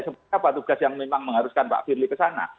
seperti apa tugas yang memang mengharuskan pak firly ke sana